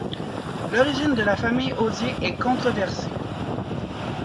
L'origine de la famille d'Hozier est controversée.